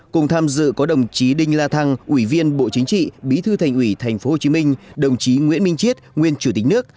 cùng tham dự có đồng chí đinh la thăng ủy viên bộ chính trị bí thư thành ủy tp hcm đồng chí nguyễn minh chiết nguyên chủ tịch nước